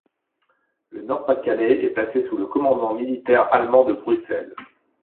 Le Nord-Pas-de-Calais est placé sous le Commandement Militaire Allemand de Bruxelles.